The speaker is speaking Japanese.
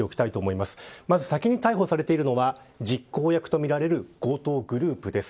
まず先に逮捕されているのは実行役とみられる強盗グループです。